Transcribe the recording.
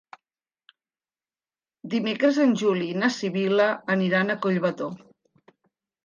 Dimecres en Juli i na Sibil·la aniran a Collbató.